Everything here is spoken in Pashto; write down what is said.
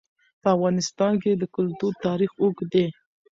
په افغانستان کې د کلتور تاریخ اوږد دی.